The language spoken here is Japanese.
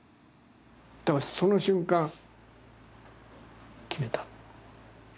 だからその瞬間決めた。